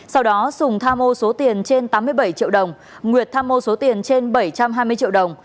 sau đó sùng tham ô số tiền trên tám mươi bảy triệu đồng nguyệt tham mô số tiền trên bảy trăm hai mươi triệu đồng